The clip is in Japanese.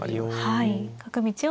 はい。